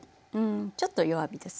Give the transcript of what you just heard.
ちょっと弱火ですね。